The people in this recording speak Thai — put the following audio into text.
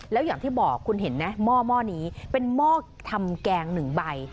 แล้วอย่างที่บอกคุณเห็นนะหม้อนี้เป็นหม้อทำแกง๑ใบ